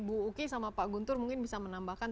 bu uki sama pak guntur mungkin bisa menambahkan